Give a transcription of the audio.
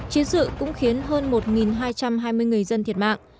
chiến sự cũng khiến hơn một hai trăm hai mươi người dân thiệt mạng